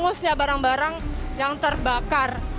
mulusnya barang barang yang terbakar